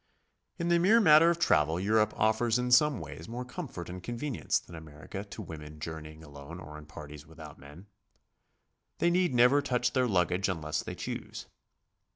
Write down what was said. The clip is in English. In the mere matter of travel ^Europe offers in some ways more comfort and convenience than America to women jour neying alone or in parties without men. They need never touch their luggage unless they choose.